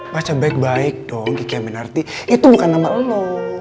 macam baik baik dong kiki aminarti itu bukan nama lo